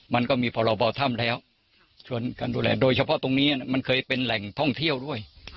มันก็มีพรบถ้ำแล้วส่วนการดูแลโดยเฉพาะตรงนี้มันเคยเป็นแหล่งท่องเที่ยวด้วย